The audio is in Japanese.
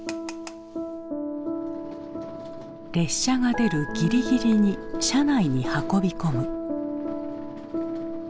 列車が出るギリギリに車内に運び込む。